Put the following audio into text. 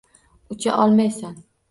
Ucha olmaysan?